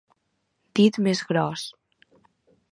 Dit més gros.